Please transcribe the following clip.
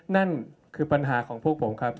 นั่นคือปัญหาของพวกผมครับ